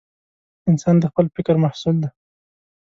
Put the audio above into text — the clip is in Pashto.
انسان د خپل فکر محصول دی.